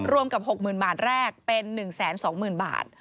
กับ๖๐๐๐บาทแรกเป็น๑๒๐๐๐บาท